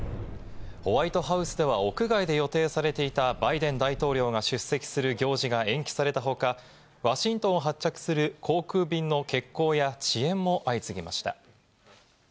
ホワイトハウスでは屋外で予定されていたバイデン大統領が出席する行事が延期された他、ワシントンを発着する航空便の欠航や遅延も相次ぎました。